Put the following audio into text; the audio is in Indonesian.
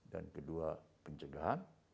dan kedua pencegahan